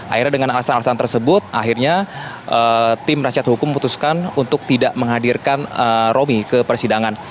akhirnya dengan alasan alasan tersebut akhirnya tim rakyat hukum memutuskan untuk tidak menghadirkan romi ke persidangan